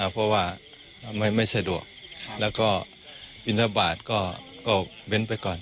เพราะว่าไม่สะดวกแล้วก็บินทบาทก็เว้นไปก่อน